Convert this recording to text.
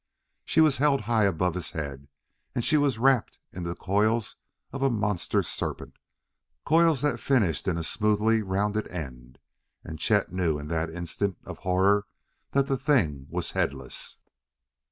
She was held high above his head, and she was wrapped in the coils of a monster serpent coils that finished in a smoothly rounded end. And Chet knew in that instant of horror that the thing was headless!